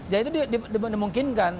jadi itu dimungkinkan